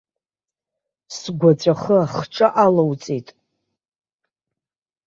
Сгәаҵәахы ахҿа алоуҵеит.